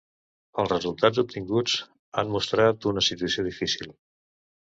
Els resultats obtinguts han mostrat una situació difícil.